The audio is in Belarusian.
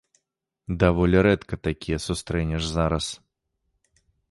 Даволі рэдка такія сустрэнеш зараз.